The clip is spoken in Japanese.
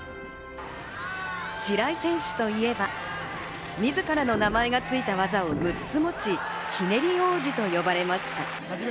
白井選手といえば自らの名前がついた技を６つ持ち、ひねり王子と呼ばれました。